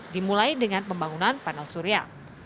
dimulai dengan pembangunan panel surya